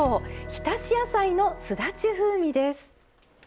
ひたし野菜のすだち風味です。